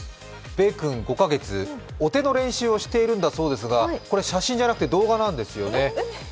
べえくん５か月、お手の練習をしているそうなんですが、これ、写真じゃなくて動画なんですよね。